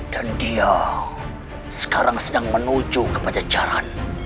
dan dia sekarang sedang menuju ke pajacara